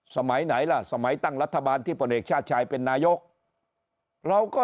สมัยไหนล่ะสมัยตั้งรัฐบาลที่พลเอกชาติชายเป็นนายกเราก็